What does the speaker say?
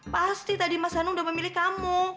pasti tadi mas hanung udah memilih kamu